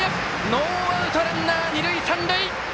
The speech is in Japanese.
ノーアウト、ランナー、二塁三塁。